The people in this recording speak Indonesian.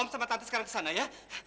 om sama tante sekarang kesana ya